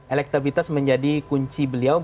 elektabilitas menjadi kunci beliau